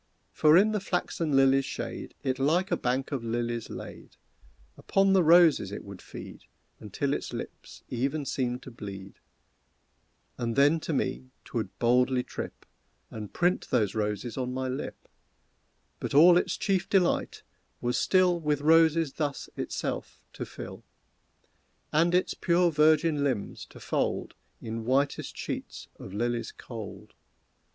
For in the flaxen lilies' shade It like a bank of lilies laid; Upon the roses it would feed Until its lips even seemed to bleed, And then to me 'twould boldly trip, And print those roses on my lip, But all its chief delight was still With roses thus itself to fill, And its pure virgin limbs to fold In whitest sheets of lilies cold.